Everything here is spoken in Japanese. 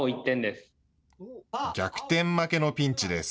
逆転負けのピンチです。